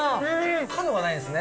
角がないですね。